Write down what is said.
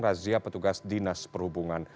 ketika diangkut sepeda motor diangkut